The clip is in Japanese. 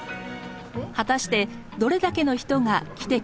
果たしてどれだけの人が来てくれるでしょうか？